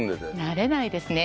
慣れないですね。